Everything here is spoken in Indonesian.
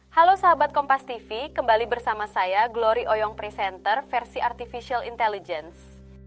halo sahabat kompas tv kembali bersama saya glory oyong presenter versi artificial intelligence